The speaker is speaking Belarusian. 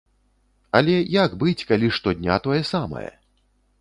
Але як быць, калі штодня тое самае?